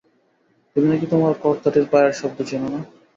তুমি নাকি তোমার কর্তাটির পায়ের শব্দ চেন না?